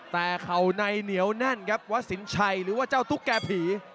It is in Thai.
แต่เข่าในเหนียวแน่นครับวัดสินชัยหรือว่าเจ้าตุ๊กแก่ผี